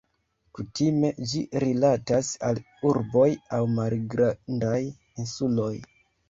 Kutime ĝi rilatas al urboj aŭ malgrandaj insuloj.